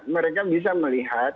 mereka bisa melihat